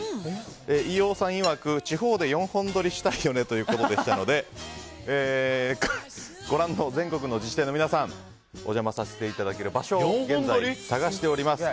飯尾さんいわく地方で４本撮りしたいよねということでしたのでご覧の全国の自治体の皆さんお邪魔させていただける場所を現在、探しております。